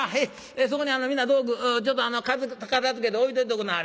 そこに皆道具ちょっと片づけて置いといておくんなはれ。